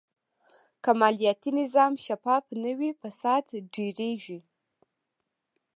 که مالیاتي نظام شفاف نه وي، فساد ډېرېږي.